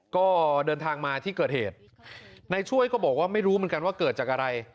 ก็เดินทางมาที่เกิดเหตุนายช่วยก็บอกว่าไม่รู้เหมือนกันว่าเกิดจากอะไร